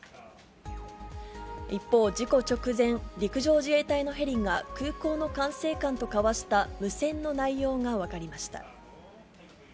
一方、事故直前、陸上自衛隊のヘリが、空港の管制官と交わした無線の内容が分かりました。